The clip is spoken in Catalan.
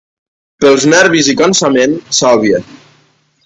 Pels nervis i cansament, sàlvia.